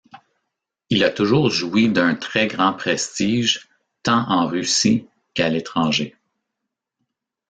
Il a toujours joui d’un très grand prestige, tant en Russie, qu’à l’étranger.